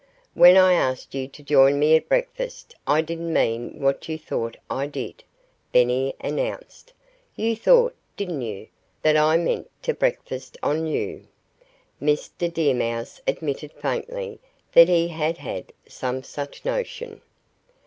"When I asked you to join me at breakfast I didn't mean what you thought I did," Benny announced. "You thought didn't you? that I meant to breakfast on you." Mr. Deer Mouse admitted faintly that he had had some such notion.